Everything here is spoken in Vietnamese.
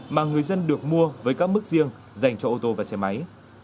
mà người dân được mua với các mức riêng dành cho ô tô và xe máy